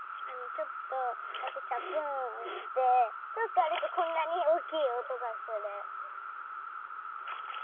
ちょっとこうやってチャプンってちょっとやるとこんなにおおきいおとがする。